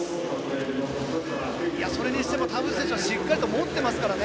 それにしても田渕はしっかり持っていますからね。